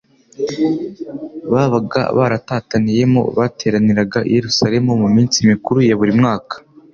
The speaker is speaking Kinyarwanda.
babaga baratataniyemo bateraniraga i Yerusalemu mu minsi mikuru ya buri mwaka.